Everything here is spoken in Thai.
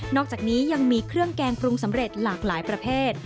อกจากนี้ยังมีเครื่องแกงปรุงสำเร็จหลากหลายประเภท